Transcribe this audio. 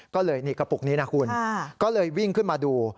ก็เลยนี่กระปุกนี้นะคุณก็เลยวิ่งขึ้นมาดู